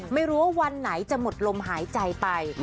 ไม่รู้ว่าวันไหนจะหมดลมหายใจไป